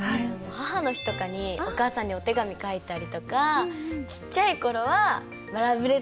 母の日とかにお母さんにお手紙書いたりとかちっちゃい頃はラブレターとか書いたり。